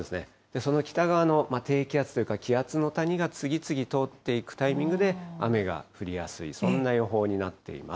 その北側の低気圧というか、気圧の谷が、次々、通っていくタイミングで雨が降りやすい、そんな予報になっています。